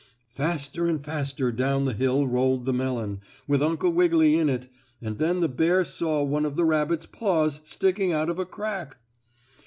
Faster and faster down the hill rolled the melon, with Uncle Wiggily in it, and then the bear saw one of the rabbit's paws sticking out of a crack.